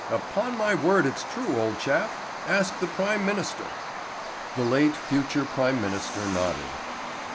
Upon my word it's true, old chap! Ask the prime minister!" The late future prime minister nodded.